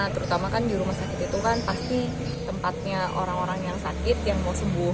terutama kan di rumah sakit itu kan pasti tempatnya orang orang yang sakit yang mau sembuh